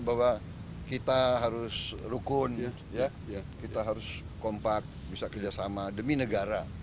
bahwa kita harus rukun kita harus kompak bisa kerjasama demi negara